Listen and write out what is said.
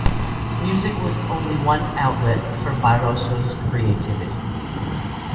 Music was only one outlet for Barroso's creativity.